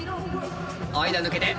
間抜けて。